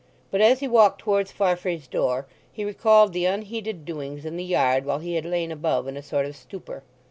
But as he walked towards Farfrae's door he recalled the unheeded doings in the yard while he had lain above in a sort of stupor.